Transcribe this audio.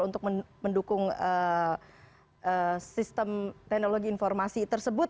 untuk mendukung sistem teknologi informasi tersebut